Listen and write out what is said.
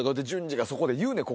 淳二がそこで言うねん